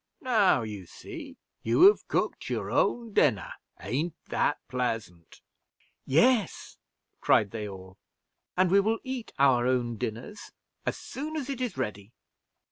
Now you see, you have cooked your own dinner; ain't that pleasant?" "Yes," cried they all; "and we will eat our own dinners as soon as it is ready."